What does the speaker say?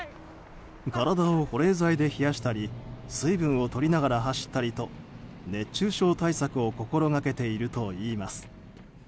体を保冷剤で冷やしたり水分を取りながら走ったりと熱中症対策を心掛けているといいます。